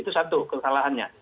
itu satu kesalahannya